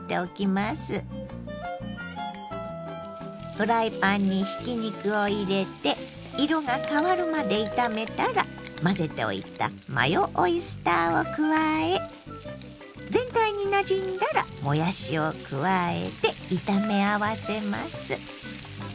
フライパンにひき肉を入れて色が変わるまで炒めたら混ぜておいたマヨオイスターを加え全体になじんだらもやしを加えて炒め合わせます。